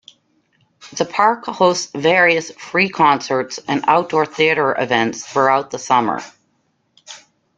The park hosts various free concerts and outdoor theater events throughout the summer.